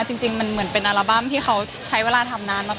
จริงมันเหมือนเป็นอัลบั้มที่เขาใช้เวลาทำนานมาก